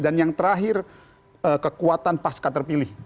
dan yang terakhir kekuatan pasca terpilih